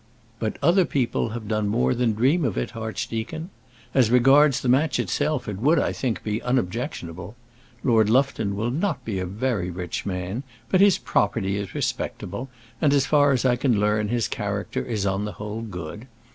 "But other people have done more than dream of it, archdeacon. As regards the match itself, it would, I think, be unobjectionable. Lord Lufton will not be a very rich man, but his property is respectable, and as far as I can learn his character is on the whole good.